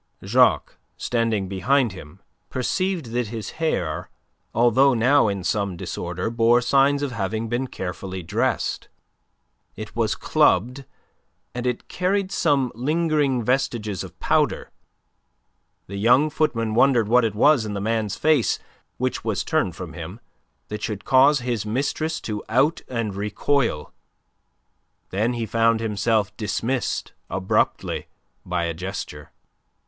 Jacques, standing behind him, perceived that his hair, although now in some disorder, bore signs of having been carefully dressed. It was clubbed, and it carried some lingering vestiges of powder. The young footman wondered what it was in the man's face, which was turned from him, that should cause his mistress to cry out and recoil. Then he found himself dismissed abruptly by a gesture.